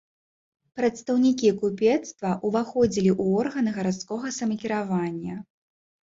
Прадстаўнікі купецтва ўваходзілі ў органы гарадскога самакіравання.